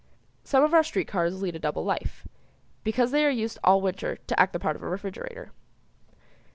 Some of our street cars lead a double life, because they are used all winter to act the part of a refrigerator.